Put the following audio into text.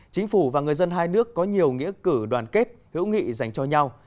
chính phủ và người dân hai nước có nhiều nghĩa cử đoàn kết hữu nghị dành cho nhau